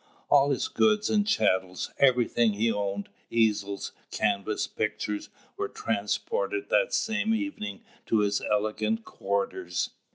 All his goods and chattels, everything he owned, easels, canvas, pictures, were transported that same evening to his elegant quarters.